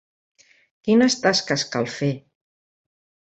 Quines tasques cal fer?